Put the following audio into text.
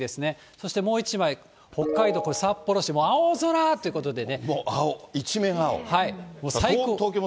そしてもう一枚、北海道、これ札幌市、青空ということでね。